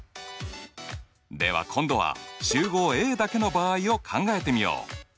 では今度は集合Ａだけの場合を考えてみよう。